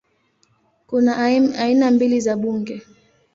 Kuna aina mbili za bunge